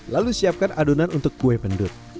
lalu siapkan adonan untuk kue pendut